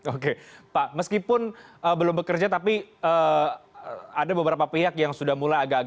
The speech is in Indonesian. oke pak meskipun belum bekerja tapi ada beberapa pihak yang sudah mulai agak agak